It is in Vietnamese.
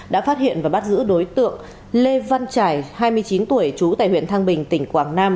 đã phát hiện và bắt giữ đối tượng lê văn trải hai mươi chín tuổi trú tại huyện thăng bình tỉnh quảng nam